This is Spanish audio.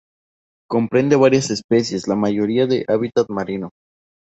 Comprende varias especies, la mayoría de hábitat marino.